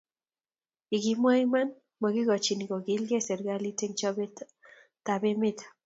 Ye kimwa iman, makchini kokilgei serkalit eng chobet ab emet